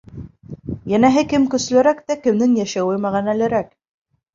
Йәнәһе, кем көслөрәк тә кемдең йәшәүе мәғәнәлерәк.